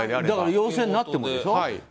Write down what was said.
だから陽性になってもでしょ。